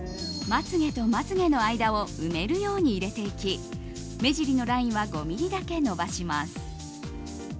まつ毛とまつ毛の間を埋めるように入れていき目尻のラインは５ｍｍだけ伸ばします。